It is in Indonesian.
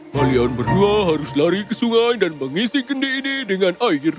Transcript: kalian berdua harus lari ke sungai dan mengisi kendi ini dengan air